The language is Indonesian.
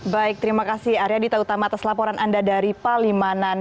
baik terima kasih arya dita utama atas laporan anda dari palimanan